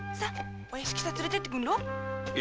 お屋敷へ連れてってくんろ！